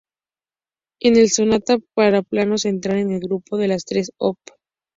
Es la sonata para piano central en el grupo de las tres opp.